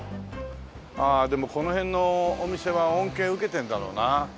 ああでもこの辺のお店は恩恵受けてるんだろうなあ。